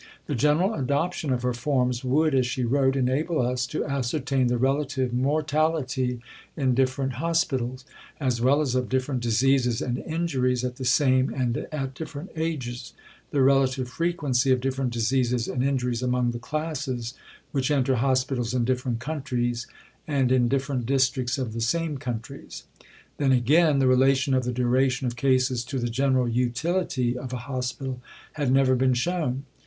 The general adoption of her Forms would, as she wrote, "enable us to ascertain the relative mortality in different hospitals, as well as of different diseases and injuries at the same and at different ages, the relative frequency of different diseases and injuries among the classes which enter hospitals in different countries, and in different districts of the same countries." Then, again, the relation of the duration of cases to the general utility of a hospital had never been shown.